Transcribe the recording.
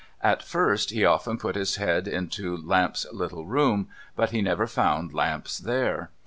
At first, he often put his head into Lamps's little room, but he never found Lamps there.